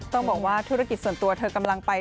ต้องบอกว่าธุรกิจส่วนตัวเธอกำลังไป